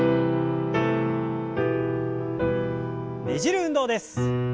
ねじる運動です。